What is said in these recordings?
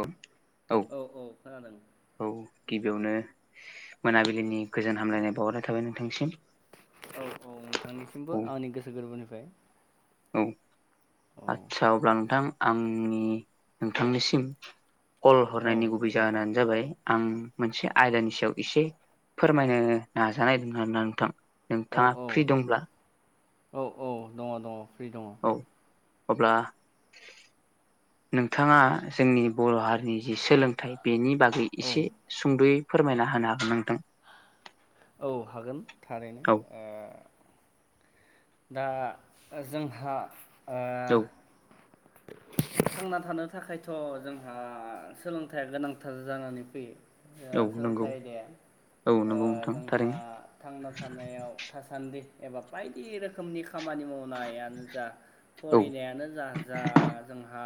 औ औ औ। गिबियावनो मोनाबिलिनि गोजोन हामलायनाय बावहरनाय थाबाय नोंथांसिम। औ औ नोंथांनिसिमबो औ आंनि गोसो गोरबोनिफ्राय औ औ आट्चा अब्ला नोंथां आंनि नोंथांनिसिम कल औ हरनायनि गुबै जाहोनानो जाबाय आं मोनसे आयदानि सायाव एसे फोरमायनो नाजानाय दं आरोना नोंथां। औ नोंथाङा फ्रि दंब्ला। औ औ दङ दङ फ्रि दङ। औ अब्ला नोंथाङा जोंनि बर' हारिनि जि सोलोंथाइ बेनि बागै औ एसे सुंद'यै फोरमायना होनो हागोन नोंथां। औ हागोन थारैनो। औ दा जोंहा ओ औ [inaudible] थांना थानो थाखायथ' जोंहा सोलोंथाइया गोनांथार जानानै फैयो। ओ औ नंगौ सोलोंथाइ आइदाया औ नंगौ नोंथां जोंहा थारैनो थांना थानायाव थासान्दि एबा बायदि रोखोमनि खामानि मावनायानो जा औ फरिनायानो जा जा जोंहा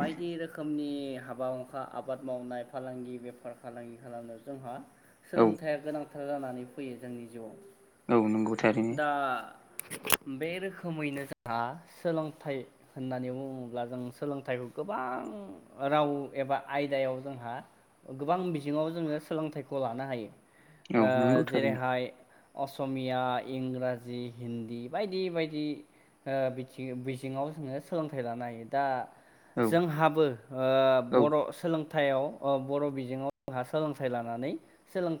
बायदि रोखोमनि हाबा हुंखा आबाद मावनाय फालांगि बेफार फालांगि खालामनायाव जोंहा औ सोलोंथाया गोनांथार जानानै फैयो जोंनि जिउआव। औ नंगौ थारैनो। दा बे रोखोमैनो जोंहा सोलोंथाइ होननानै बुङोब्ला जों सोलोंथाइखौ गोबां राव एबा आयदायाव जोंहा गोबां बिजोङाव जोङो सोलोंथाइखौ लानो हायो औ ओ नंगौ थारैनो जेरैहाय असमिया, इंराजि, हिन्दी बायदि बायदि ओ बिथि बिजोङाव जोङो सोलोंथाइ लानो हायो, दा औ जोंहाबो ओ औ बर' सोलों थायाव ओ बर' बिजोङाव आ सोलोंथाइ लानानै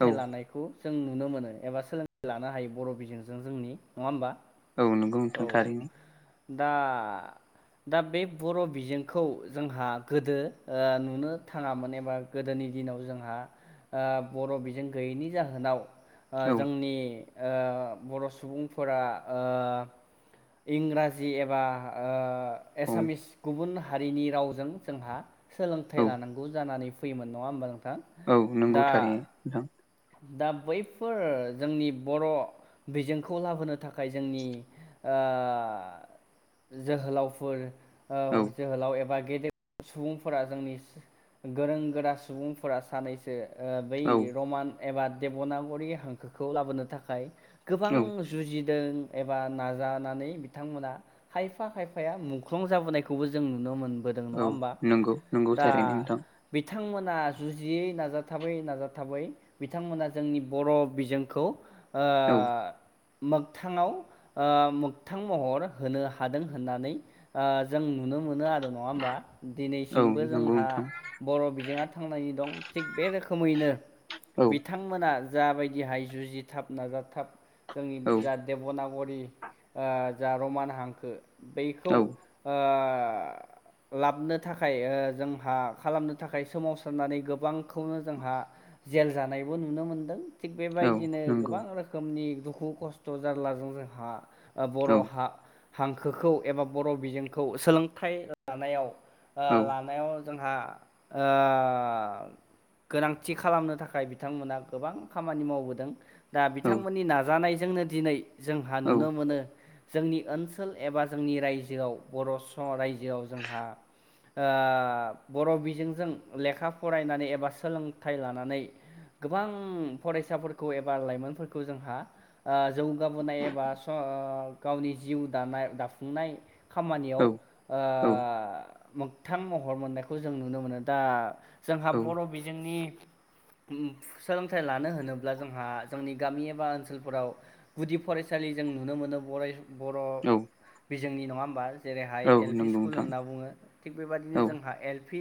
औ लानायखौ जों नुनो मोनो एबा सोलोंथाइ लानो हायो बर' बिजोंजों जोंनि नङा होमबा। औ नंगौ नोंथां औ थारैनो। दा दा बे बर' बिजोंखौ जोंहा गोदो ओ नुनो थाङामोन एबा गोदोनि दिनाव जोंहा ओ बर' बिजों गैयैनि जाहोनाव ओ औ जोंनि ओ बर' सुबुं फोरा ओ इंराजि एबा ओ औ एसामिस गुबुन हारिनि रावजों जोंहा सोलोंथाइ औ लानांगौ जानानै फैयोमोन नङा होनबा। औ नंगौ थारैनो नोंथां। दा बैफोर जोंनि बर' बिजोंखौ लाबोनो थाखाय जोंनि ओ जोहोलावफोर ओ औ जोहोलाव एबा गेदेर सुबुंफोरा जोंनि गोरों गोरा सुबुंफोरा सानैसो ओ बै औ रमान एबा देब'नागरि हांखोखौ लाबोनो थाखाय गोबां औ जुजि दों एबा नाजानानै बिथांमोना खायफा खायफाया मुख्लं जाबोनायखौबो जों नुनो मोन बोदों नङा औ होमबा नंगौ नंगौ दा थारैनो नोंथां बिथांमोना जुजियै नाजाथाबै नाजाथाबै बिथांमोना जोंनि बर' बिजोंखौ ओ औ मोगथाङाव ओ मोगथां महर होनो हादों होननानै ओ जों नुनो मोनो आरो। नङा होमबा औ दिनैसिमबो नंगौ जोंहा नोंथां बर' बिजोङा थांनानै दं थिग बे रोखोमैनो औ बिथांमोना जाबायदिहाय जुजिथाब नाजाथाब जोंनि औ जा देब'नागरि ओ जा रमान हांखो बैखौ औ ओ [inaudible] लाबनो थाखाय ओ जोंहा खालामनो थाखाय सोमावसारनानै गोबांखौनो जोंहा जेल जानायबो नुनो मोनदों थिग औ बेबायदिनो नंगौ गोबां रोखोमनि दुखु खस्थ' जारलाजों जोंहा ओ औ बर' हा हांखोखौ एबा बर' बिजोंखौ सोलोंथाइ लानायाव ओ औ लानायाव जोंहा ओ गोनांथि खालामनो था खाय बिथांमोना गोबां खामानि मावबोदों दा औ बिथांमोननि नाजानायजोंनो दिनै जोंहा औ नुनो मोनो जोंनि ओनसोल एबा जोंनि रायजोआव बर' स रायजोआव जोंहा ओ बर' बिजोंजों लेखा फरायनानै एबा सोलोंथाइ लानानै गोबां फरायसाफोरखौ एबा लाइमोनफोरखौ जोंहा ओ जौवगाबोनाय एबा स गावनि जिउ दानाय दाफुंनाय खामानियाव ओ मोगथां महर मोननायखौ जों नुनो मोनो। दा जोंहा औ बर' बिजोंनि उम सोलोंथाइ लानो होनोब्ला जोंहा जोंनि गामि एबा ओनसोलफोराव गुदि फरायसालि जों नुनो मोनो बरा बर' औ बिजोंनि नङा होमबा जेरैहाय औ एल पि नंगौ स्कुल नोंथां होनना बुङो थिग बेबायदिनो औ जोंहा एल पि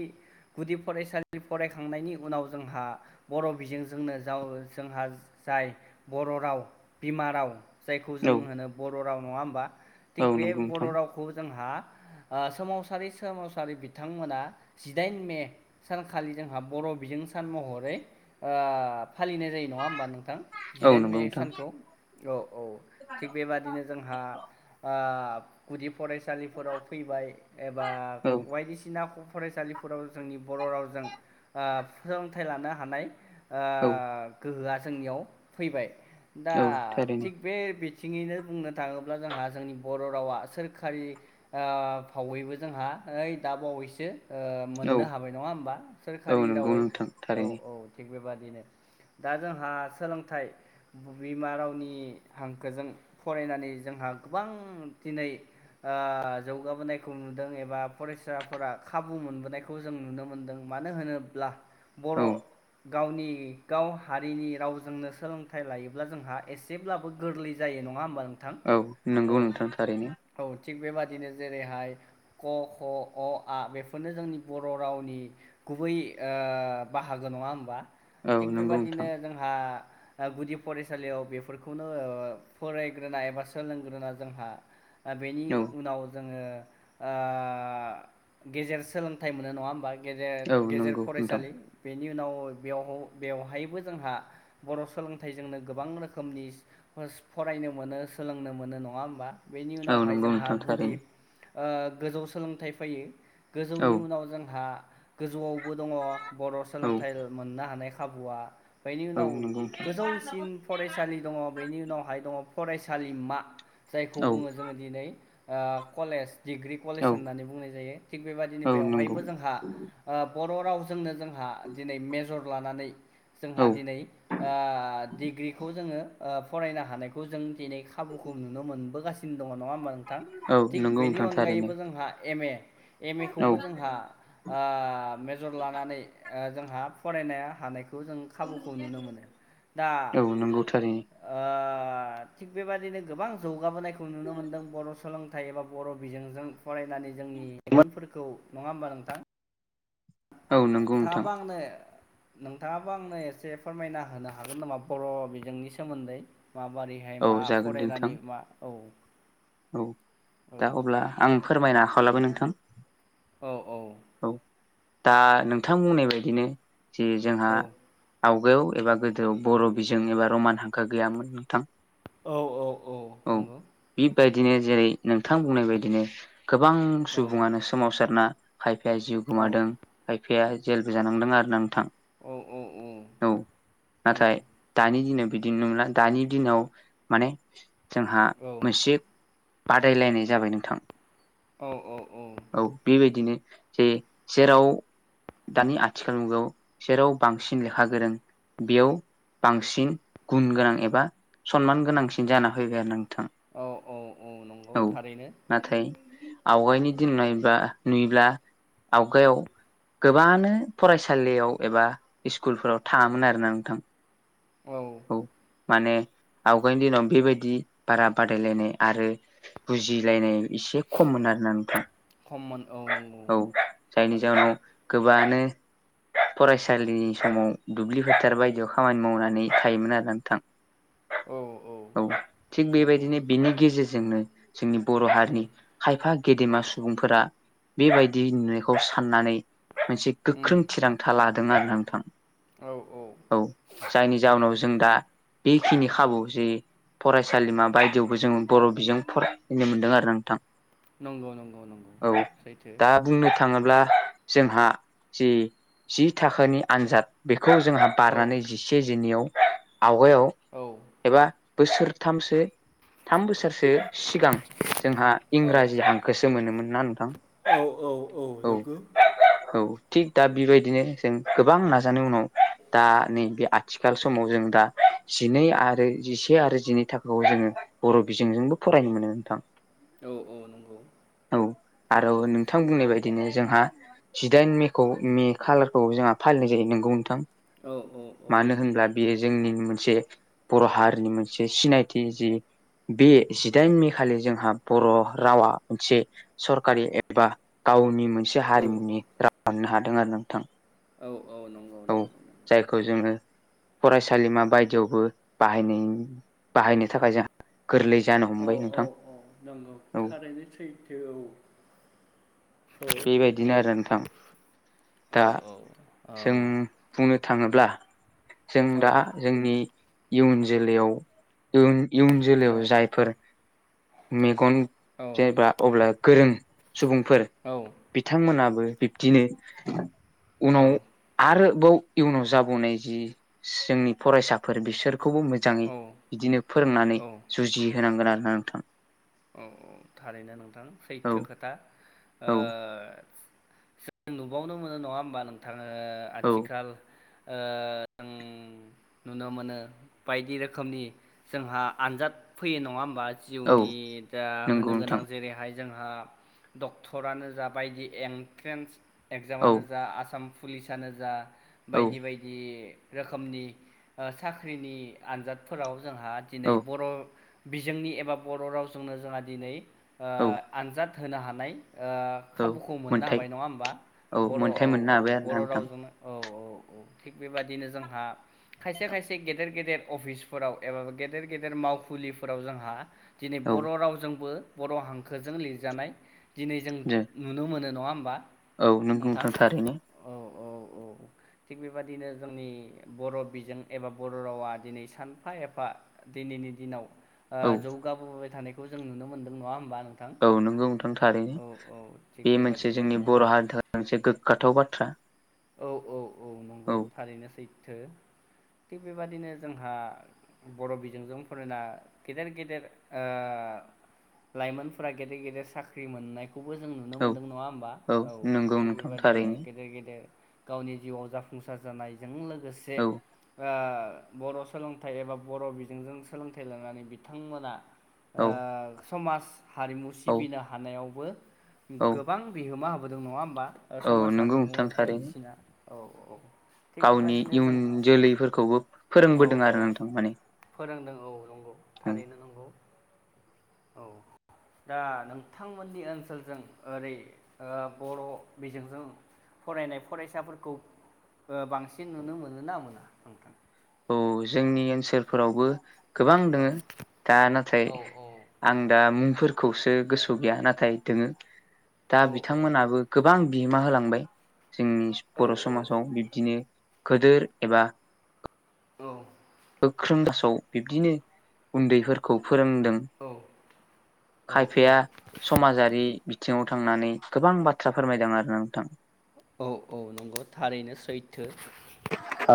गुदि फरायसालि फरायखांनायनि उनाव जोंहा बर' बिजोंजोंनो थाव जोंहा जाय बर' राव बिमा राव जायखौ औ जों होनो बर' राव नङा होमबा औ थिग बे नंगौ बर' नोंथां रावखौ जोंहा ओ सोमावसारै सोमावसारै बिथांमोना जिदाइन मे सानखालि जोंहा बर' बर' बिजों सान महरै ओ फालिनाय जायो नङा होमबा नोंथां औ जिदाइन नंगौ मे नोंथां सानखौ औ। औ थिग बेबादिनो जोंहा ओ गुदि फरायसालिफोराव फैबाय एबा औ बायदिसिना फरायसालिफोराव जोंनि बर' रावजों ओ फोरोंथाइ लानो हानाय ओ औ गोहोआ जोंनियाव फैबाय दा औ थारैनो थिग बे बि थिङैनो बुंनो थाङोब्ला जोंहा जोंनि बर' रावा सोरखारि ओ फावैबो जोंहा ओइ दाबावैसो ओ औ मोननो हाबाय नङा होमबा औ सोरखारि नंगौ रावै नोंथां औ थारैनो औ थिग बेबादिनो दा जोंहा सोलोंथाइ बिमा रावनि हांखोजों फरायनानै जोंहा गोबां दिनै ओ जौगाबोनायखौ नुदों एबा फरायसाफोरा खाबु मोनबोनायखौ जों नुनो मोनदों मानो होनोब्ला बर' औ गावनि गाव हारिनि रावजोंनो सोलोंथाइ लायोब्ला जोंहा एसेब्लाबो गोरलै जायो नङा होमबा नोंथां औ नंगौ औ नोंथां थारैनो औ थिग बेबादिनो जेरैहाय क ख अ आ बेफोरनो जोंनि बर' रावनि गुबै ओ बाहागो नङा होमबा औ थिग नंगौ नोंथां बेबादिनो जोंहा गुदि फरायसालियाव बेफोरखौनो फरायग्रोना एबा सोलोंग्रोना जोंहा बेनि औ उनाव जोङो ओ गेजेर सोलोंथाइ मोनो नङा होमबा औ गेजेर गेजेर नंगौ नोंथां फरायसालि बेनि उनाव बेयाव बेवहायबो जोंहा बर' सोलोंथाइजोंनो गोबां रोखोमनि फरायनाय नुनो मोनो सोलोंनो मोनो नङा होमबा बेनि औ उनावहाय नंगौ जोंहा नोंथां गुदि थारैनो ओ गोजौ सोलोंथाइ फैयो औ गोजौनि उनाव जोंहा गोजौआवबो दङ बर' औ सोलोंथाइ मोननो हानाय खाबुआ बेनि औ उनाव नंगौ नोंथां गोजौसिन फरायसालि दङ बेनि उनावहाय दङ फरायसालिमा जायखौ औ बुङो जोङो दिनै ओ कलेज डिग्रि कलेज औ होननानै बुंनाय जायो थिग बेबदिनो औ नंगौ बेवहायबो जोंहा ओ बर' रावजोंनो जों जोंहा दिनै मेजर लानानै जोंहा औ दिनै ओ डिग्रिखौ जोङो ओ फरायनो हानायखौ जों दिनै खाबुखौ नुनो मोनबोगासिनो दङ नङा होनबा नोंथां औ थिग नंगौ बेनि नोंथां थारैनो अनगायैबो जोंहा एम ए एम ए औ खौबो जोंहा ओ मेजर लानानै ओ जोंहा फरायनो हानायखौ जों खाबुखौ नुनो मोनो दा औ नंगौ थारैनो ओ ओ थिग बेबाददिनो गोबां जौगाबोनायखौ नुनो मोनदों बर' सोलोंथाइ एबा बर' बिजोंजों फरायनानै जोंनि [unintelligible] फोरखौ नङा होमबा नोंथां औ नंगौ नोंथां थाङाबो आंनो नोंथाङाबो आंनो एसे फोरमायना होनो हागोन नामा बर' बिजोंनि सोमोन्दै माबारैहाय औ मा जागोन दे नोंथां फरायनानै मा औ औ औ दा अब्ला आं फोरमायनो आखायाव लाबाय नोंथां औ औ औ दा नोंथां बुंनाय बायदिनो जे जोंहा आव खुगायाव एबा गोदोआव बर' बिजों एबा रमान हांखोआ गैयामोन नोंथां औ औ औ नंगौ बेबायदिनो जेरै नोंथां बुंनाय बायदिनो गोबां औ सुबुङानो सोमावसारना खायफाया जिउ औ गोमादों खायफाया जेलबो जानांदों आरोना नोंथां औ औ औ नाथाय नंगौ दानि दिनाव बिदिनो नंला दानि दिनाव माने जोंहा औ मोनसे बादायलायनाय जाबाय नोंथां औ औ औ बेबायदिनो जे जेराव दानि आथिखाल मुगायाव जेराव बांसिन लेखा गोरों बेयाव बांसिन गुन गोनां एबा सनमान गोनांसिन जाना फैबाय आरोना नों औ औ औ नंगौ नोंथां औ थारैनो नाथाय आवगायनि बिदि नुनायबा नुयोब्ला आवगायाव गोबाङानो फरायसालियाव एबा स्कुलफोराव थाङामोन आरोना नोंथां औ माने आवगायनि दिनाव बेबायदि बारा बादायलायनाय आरो बुजिलायनाय एसे खममोन आरोना नोंथां खममोन औ नंगौ थारैनो बानो फरायसालिनि समाव दुब्लि फोथार बायदियाव खामानि मावनानै थायोमोन आरो नोंथां। औ। थिग नंगौ बेबायदिनो बेनि गेजेरजोंनो जोंनि बर' उम हारिनि खायफा गेदेमा सुबुं सुबुंफोरा बेबायदि नुनायखौ साननानै मोनसे उम गोख्रों थिरांथा लादों। आरो ना नोंथां। औ। जायनि नंगौ जाउोनाव जों दा बेखिनि खाबु जे फरायसालिमा बायदियावबो जोंङो बर' बिजों फरायनो मोनदों आरो ना नोंथां। नंगौ नंगौ। नंगौ औ सैथो दा बुंनो थाङोब्ला जोंहा जि जि थाखोनि आनजाद बे खौ जोंहा औ बारनानै जिसे जिननैयाव आवगायाव औ एबा बोसोरथामसो थाम बोसोरसो सिगां जोंहा इंराजि हांखोसो मोनोमोन ना नोंथां औ औ औ नंगौ औ थिग दा बेबायदिनो जों गोबां नाजानाय उनाव दा नैबे आथिखाल समाव जों दा जिनै आरो जिसे आरो जिनै थाखाआव जोङो बर' बिजोंजोंबो फरायनो मोनो नोंथां औ औ नंगौ औ आरो नंगौ नोंथां बुंनाय बायदिनो जोंहा जिदाइन मेखौ मे खालारखौ जोंहा फालिनाय जायो नोंगौ नथां औ औ औ मानो होनब्ला नंगौ बेयो जोंनि मोनसे बर' हारिनि मोनसे सिनायथि जि बे जिदाइन मे खालि जोंहा बर' रावा मोनसे सरखारि एबा गावनि मोनसे औ हारिमुनि राव खालामनो हादों आरो नोंथां औ औ नंगौ औ नंगौं जायखौ जोङो फरायसालिमा बायदियावबो बाहायनाय बाहायनो थाखाय जोंहा गोरलै जानो औ हमबाय औ नोंथां औ नंगौ औ थारैनो सैथो औ औ बेबायदिनो नंगौ आरो नोंथां औ दा औ जों बुंनो थाङोब्ला जों औ दा जोंनि इयुन जोलैयाव इयुन इयुन औ जोलैआव जायफोर मेगन औ जेब्ला अब्ला गोरों सुबुंफोर बिथांमोनाबो बिब्दिनो उनाव आरोबाव इयुनाव जाबोनाय जि जोंनि फरायसाफोर बिसोर बेखौबो मोजाङै औ बिदिनो फोरोंनानै औ जुजि होनांगोन आरोना नोंथां औ औ थारैनो नोंथां औ सैथो खोथा औ जों नुबावनो मोनो नङा होमबा नोंथाङो औ आथिखाल ओ [unintelligible] नुनो मोनो बायदि रोखोमनि जोंहा आनजाद फैयो नङा होमबा औ जिउनि दा नंगौ होनो गोनां नोंथां जेरैहाय जोंहा ड'क्टरनो जा बायदि एन्ट्रेन्स औ एक्जामनो जा आसाम पुलिसानो जा औ बायदि बायदि रोखोमनि ओ साख्रिनि आनजादफोराव जोंहा औ दिनै बर' बिजोंनि एबा बर' रावजोंनो जोंहा दिनै औ आनजाद होनो हानाय ओ औ खाबुखौ मोननो मोनथाय हाबाय नङा होमबा बर' मोनथाय औ मोननो औ हाबाय आरोना बर' नोंथां रावजोंनो औ औ थिग बेबाददिनो जोंहा खायसे खायसे गेदेर गेदेर अफिसफोराव एबा गेदेर गेदेर मावखुलिफोराव जोंहा दिनै औ बर' रावजोंबो बर' हांखोजों लिरजानाय दिनै जों नुनो मोनो नङा होमबा औ नों नंगौ नोंथां थारैनो औ औ औ थिग बेबायदिनो जोंनि बर' बिजों एबा बर' रावा दिनै सानफा एफा दिनैनि दिनाव ओ औ जौगाबोबाय थानायखौ जों नुनो मोनदों नङा होमबा नोंथां? औ नंगौ नोंथां थरैनो औ औ थिग बे मोनसे बेबादिनो जोंनि बर' नंगौ। हारिनि थाखाय मोनसे गोग्गाथाव बाथ्रा औ औ औ नंगौ औ थारैनो सैथो थिग बेबादिनो जोंहा बर' बिजोंजों फरायना गेदेर गेदेर ओ लाइमोनफोरा गेदेर गेदेर साख्रि मोननाय खौबो जों नुनो औ मोन्दों नङा होमबा औ नंगौ थिग नोंथां बेबदिनो थारैनो गेदेर गेदेर गावनि जिउआव जाफुंसार जानायजों लोगोसे औ बर' सोलोंथाइ एबा बर' बिजोंजों सोलोंथाइ लानानै बिथांमोना औ समाज हारिमु औ सिबिनो हानायावबो औ गोबां बिहोमा होबोदों नङा होमबा औ समाज नोंगौ हारिमु नोंथां थारैनो बायदिसिना औ औ थिग गावनि बेबादिनो इयुन जोंहा जोलैफोरखौबो औ फोरोंबोदों औ आरो नोंथां माने फोरोंदों औ नंगौ औ थारैनो नंगौ औ दा नोंथांमोननि ओनसोलजों ओरै ओ बर' बिजोंजों फरायनाय फरायसाफोरखौ बांसिन ओ नुनो मोनोना मोना नोंथां औ जोंनि ओनसोलफोरावबो गोबां औ दोङो दा नाथाय औ आं दा मुंफोर खौसो गोसोआव गैया नाथाय दङो दा औ बिथांमोनाबो गोबां बिहोमा होलांबाय जोंनि औ बर' समाजाव बिब्दिनो गोदोर एबा औ गोख्रों दासआव बिब्दिनो उन्दैफोरखौ फोरोंदों औ औ खायफाया समाजारि बिथिङाव थांनानै गोबां बाथ्रा फोरमायदों आरो नोंथां औ औ नंगौ थारैनो सैथो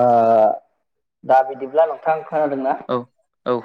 ओ दा बिदिब्ला नोंथां खोनादोंना औ औ